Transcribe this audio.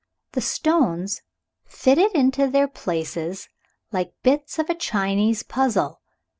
The stones fitted into their places like bits of a Chinese puzzle.